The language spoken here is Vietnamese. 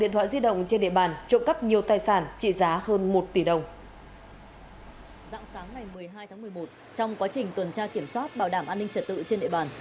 trong quá trình tuần tra kiểm soát bảo đảm an ninh trật tự trên địa bàn